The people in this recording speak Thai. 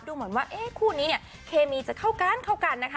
ดูเหมือนว่าคู่นี้เนี่ยเคมีจะเข้ากันเข้ากันนะคะ